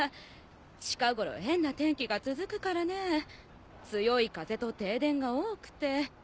近ごろ変な天気が続くからね強い風と停電が多くて。